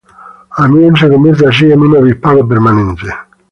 Amiens se convierte así en un obispado permanente.